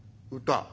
「歌。